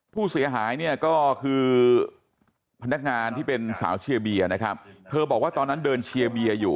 ผู้เสียหายเนี่ยก็คือพนักงานที่เป็นสาวเชียร์เบียร์นะครับเธอบอกว่าตอนนั้นเดินเชียร์เบียร์อยู่